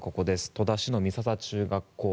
戸田市の美笹中学校。